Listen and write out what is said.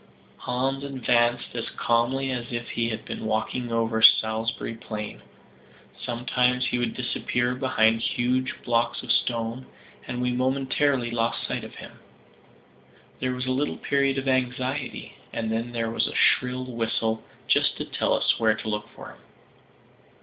Hans advanced as calmly as if he had been walking over Salisbury Plain; sometimes he would disappear behind huge blocks of stone, and we momentarily lost sight of him. There was a little period of anxiety and then there was a shrill whistle, just to tell us where to look for him.